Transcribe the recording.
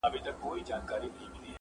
ګل د ګلاب بوی د سنځلي.!